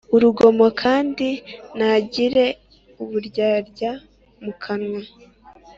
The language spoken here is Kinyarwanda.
Urugomo kandi ntagire uburyarya mu kanwa